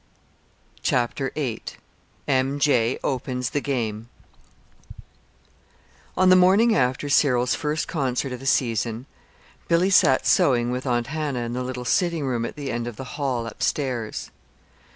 CHAPTER VIII. M. J. OPENS THE GAME On the morning after Cyril's first concert of the season, Billy sat sewing with Aunt Hannah in the little sitting room at the end of the hall upstairs.